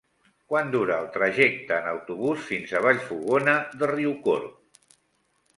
Quant dura el trajecte en autobús fins a Vallfogona de Riucorb?